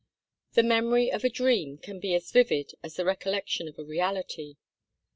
The memory of a dream can be as vivid as the recollection of a reality.